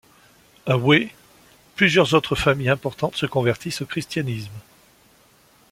A Wuhe, plusieurs autres familles importantes se convertissent au christianisme.